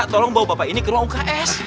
tolong bawa bapak ini ke ruang uks